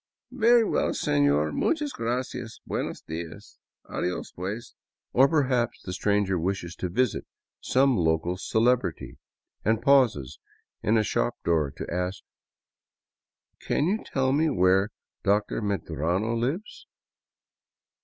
" Very well, seiior, muchas gracias, buenos dias, adios pues." Or perhaps the stranger wishes to visit some local celebrity and pauses in a shop door to ask: " Can you tell me where Dr. Medrano lives